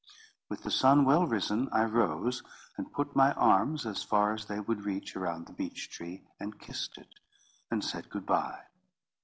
With the sun well risen, I rose, and put my arms as far as they would reach around the beech tree, and kissed it, and said good bye.